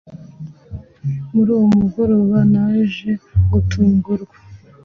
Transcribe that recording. Muri uwo mugoroba naje gutungurwa